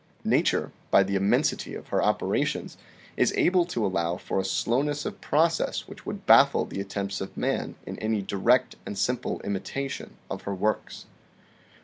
Nature, by the immensity of her operations, is able to allow for a slowness of process which would baffle the attempts of man in any direct and simple imitation of her works.